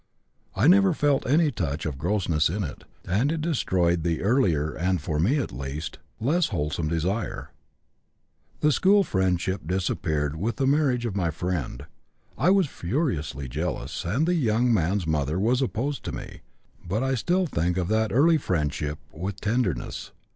I never felt any touch of grossness in it, and it destroyed the earlier and (for me at least) less wholesome desire. "The school friendship disappeared with the marriage of my friend. I was furiously jealous, and the young man's mother was opposed to me, but I still think of that early friendship with tenderness.